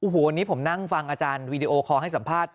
โอ้โหวันนี้ผมนั่งฟังอาจารย์วีดีโอคอลให้สัมภาษณ์